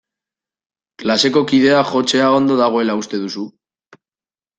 Klaseko kideak jotzea ondo dagoela uste duzu?